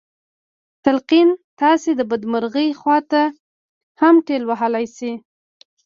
تلقين تاسې د بدمرغۍ خواته هم ټېل وهلی شي.